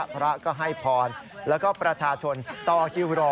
พระก็ให้พรแล้วก็ประชาชนต่อคิวรอ